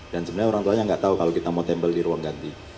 sebenarnya orang tuanya nggak tahu kalau kita mau tempel di ruang ganti